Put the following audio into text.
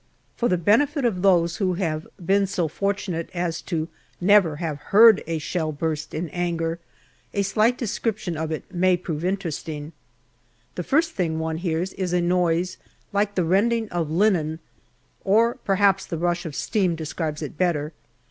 For the benefit of those who have been so fortunate as to never have heard a shell burst in anger, a slight descrip tion of it may prove interesting. The first thing one hears is a noise like the rending of linen, or perhaps the rush of steam describes it better.